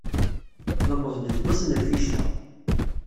Newweḍ-d deg ass n lficṭa.